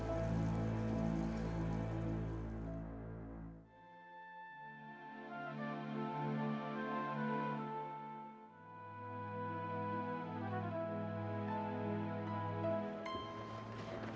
aku akan pelengkapi report ada di fikiran celang